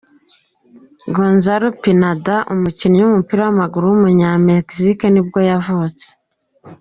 Gonzalo Pineda, umukinnyi w’umupira w’amaguru w’umunyamegizike nibwo yavutse.